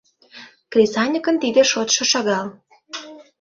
Кресаньыкын тиде шотшо шагал.